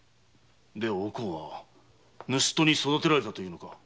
ではお甲は盗っ人に育てられたというのか？